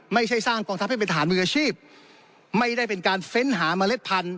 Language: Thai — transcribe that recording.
ไม่ใช่สร้างกองทัพให้เป็นทหารมืออาชีพไม่ได้เป็นการเฟ้นหาเมล็ดพันธุ